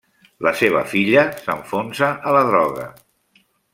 La seva filla s'enfonsa a la droga.